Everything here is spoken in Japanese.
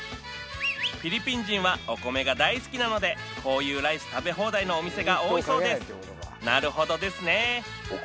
フィリピン人はお米が大好きなのでこういうライス食べ放題のお店が多いそうですなるほどですね